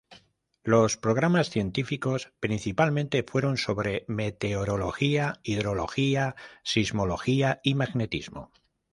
Los programas científicos principalmente fueron sobre: meteorología, hidrología, sismología, y magnetismo.